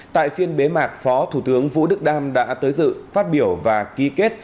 tại phiên bế mạc phó thủ tướng vũ đức đam đã tới dự phát biểu và ký kết